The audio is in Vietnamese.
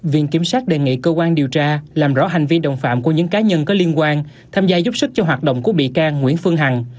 viện kiểm sát đề nghị cơ quan điều tra làm rõ hành vi đồng phạm của những cá nhân có liên quan tham gia giúp sức cho hoạt động của bị can nguyễn phương hằng